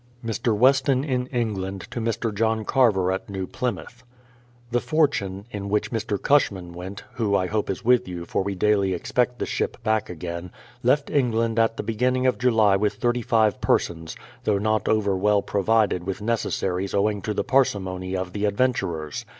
08 BRADFORD'S HISTORY OF Mr. Weston hi England to Mr. John Carver at New Plymouth: The Fortune, in which Mr. Cushman went,— who I hope is with you, for we daily expect the ship back again,— left England at the beginning of July with 35 persons, though not over well provided with necessaries owing to the parsimony of the adventurers.